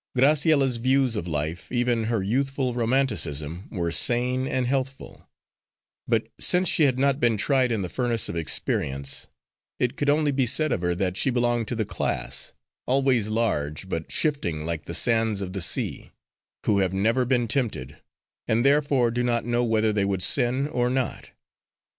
Graciella's views of life, even her youthful romanticism were sane and healthful; but since she had not been tried in the furnace of experience, it could only be said of her that she belonged to the class, always large, but shifting like the sands of the sea, who have never been tempted, and therefore do not know whether they would sin or not.